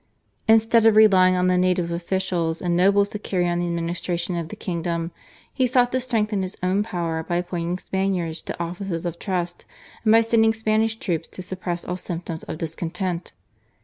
Instead of relying on the native officials and nobles to carry on the administration of the kingdom, he sought to strengthen his own power by appointing Spaniards to offices of trust and by sending Spanish troops to suppress all symptoms of discontent.